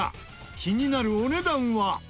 気になるお値段は横尾：